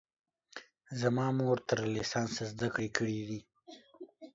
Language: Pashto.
زما مور تر لیسانسه زده کړې کړي دي